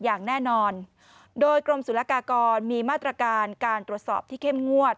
อย่างแน่นอนโดยกรมศุลกากรมีมาตรการการตรวจสอบที่เข้มงวด